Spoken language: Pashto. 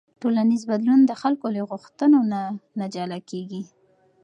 ټولنیز بدلون د خلکو له غوښتنو نه جلا نه کېږي.